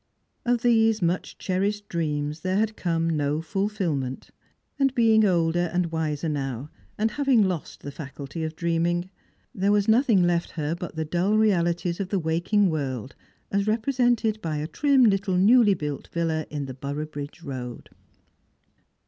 Of these much cherished dreams there had come no fulfilment; and being older and wiser now, and having lost the faculty of dreaming, there was nothing left her but the dull realities of the waking world as represented by a trim little newly built villa in the Borough bridge road.